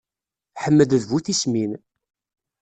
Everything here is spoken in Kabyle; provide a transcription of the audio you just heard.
Ḥmed d bu tismin.